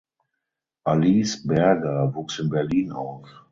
Alice Berger wuchs in Berlin auf.